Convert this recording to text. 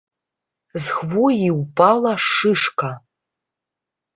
З хвоі ўпала шышка.